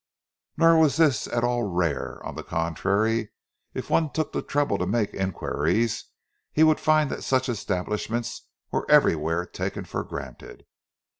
Nor was this at all rare; on the contrary, if one took the trouble to make inquiries, he would find that such establishments were everywhere taken for granted.